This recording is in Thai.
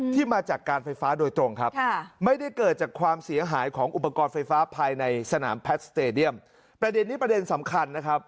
มาจากการไฟฟ้าโดยตรงครับไม่ได้เกิดจากความเสียหายของอุปกรณ์ไฟฟ้าภายในสนามแพทย์สเตดียมประเด็นนี้ประเด็นสำคัญนะครับ